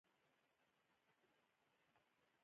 د فقر او بېوزلۍ کچه باید راکمه شي.